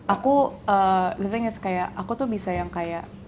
aku me think is kayak aku tuh bisa yang kayak